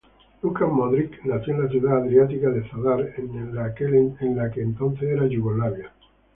Luka Modrić nació en la ciudad adriática de Zadar, en la aquel entonces Yugoslavia.